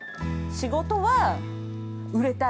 ◆仕事は、売れたい。